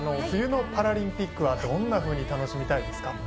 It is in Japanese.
冬のパラリンピックはどんなふうに楽しみたいですか？